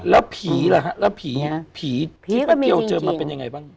แล้วผีล่ะแล้วผีที่พะเกี๊ยวเจอมันเป็นยังไงบ้าง